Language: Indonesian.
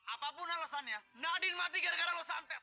apapun alasannya nadine mati gara gara lo santet